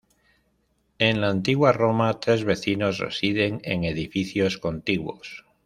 En la antigua Roma, tres vecinos residen en edificios contiguos.